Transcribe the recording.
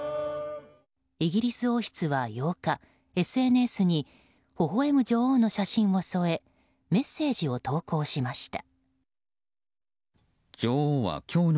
イギリス王室は８日、ＳＮＳにほほ笑む女王の写真を添えメッセージを投稿しました。